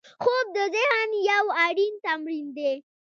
خوب د ذهن یو اړین تمرین دی